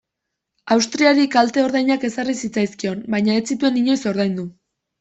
Austriari kalte ordainak ezarri zitzaizkion, baina ez zituen inoiz ordaindu.